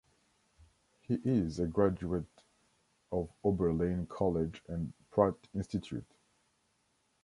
He is a graduate of Oberlin College and Pratt Institute.